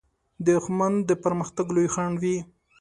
دښمن د پرمختګ لوی خنډ وي